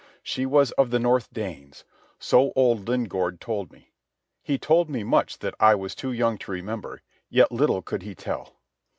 She was of the North Danes, so old Lingaard told me. He told me much that I was too young to remember, yet little could he tell.